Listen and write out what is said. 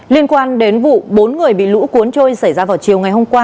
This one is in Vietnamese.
liên quan đến vụ bốn người bị lũ cuốn trôi xảy ra vào chiều ngày hôm qua